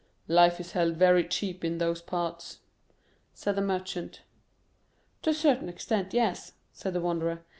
"Life is held very cheap in those parts," said the Merchant. "To a certain extent, yes," said the Wanderer.